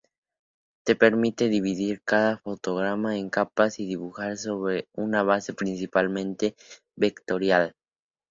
Te permite dividir cada fotograma en capas y dibujar sobre una base principalmente vectorial.